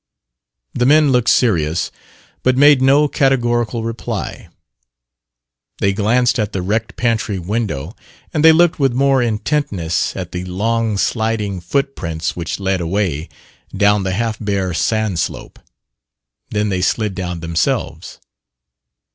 The men looked serious, but made no categorical reply. They glanced at the wrecked pantry window, and they looked with more intentness at the long sliding footprints which led away, down the half bare sand slope. Then they slid down themselves.